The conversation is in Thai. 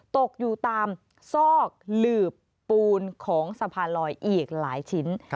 ตกอยู่ตามซอกหลืบปูนของสะพานลอยอีกหลายชิ้น